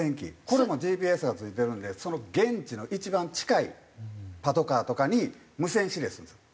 これもＧＰＳが付いてるんでその現地の一番近いパトカーとかに無線指令するんですよ。